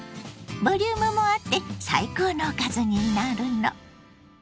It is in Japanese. ボリュームもあって最高のおかずになるの。